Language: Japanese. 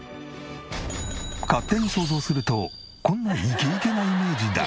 勝手に想像するとこんなイケイケなイメージだが。